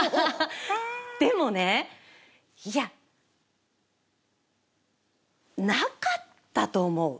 でもね、いや、なかったと思う。